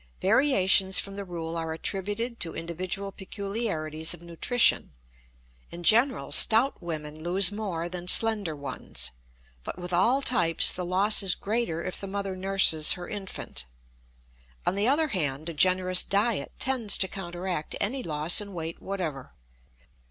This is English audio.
Variations from the rule are attributed to individual peculiarities of nutrition. In general, stout women lose more than slender ones, but with all types the loss is greater if the mother nurses her infant. On the other hand, a generous diet tends to counteract any loss in weight whatever.